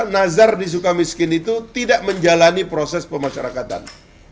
nazar di sukamiskin itu tidak menjalani proses pemasyarakatan